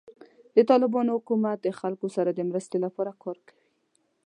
د طالبانو حکومت د خلکو سره د مرستې لپاره کار کوي.